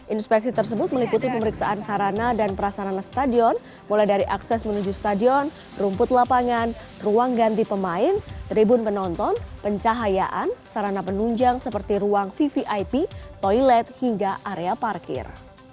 inspeksi tersebut meliputi pemeriksaan sarana dan prasarana stadion mulai dari akses menuju stadion rumput lapangan ruang ganti pemain tribun penonton pencahayaan sarana penunjang seperti ruang vvip toilet hingga area parkir